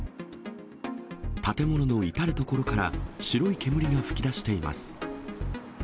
建物の至る所から白い煙が噴き出しています。